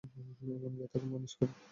এখন গিয়ে তাকে মালিশ কর।